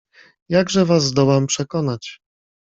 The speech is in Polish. Jakże was zdołam przekonać?